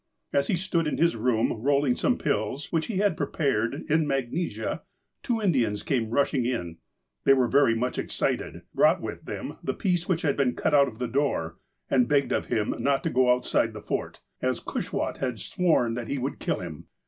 As he stood in his room rolling some pills, which he had prepared, in magnesia, two Indians came rushing in. They were very much excited, brought with them the piece which had been cut out of the door, and begged of him not to go outside the Fort, as Cushwaht had sworn that he would kill him.